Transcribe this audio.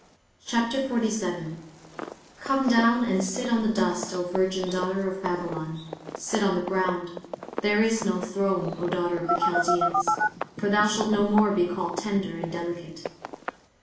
23:047:001 Come down, and sit in the dust, O virgin daughter of Babylon, sit on the ground: there is no throne, O daughter of the Chaldeans: for thou shalt no more be called tender and delicate.